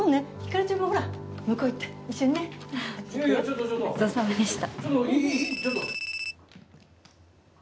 ごちそうさまでした。